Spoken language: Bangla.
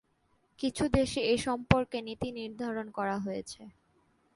কিছু দেশে এ সম্পর্কে নীতি নির্ধারণ করা আছে।